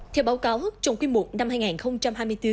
theo báo cáo trong quý i năm hai nghìn hai mươi bốn